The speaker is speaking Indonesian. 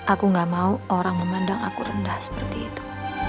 aku gak mau orang memandang aku rendah seperti itu